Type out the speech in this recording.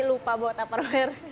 lupa buat istri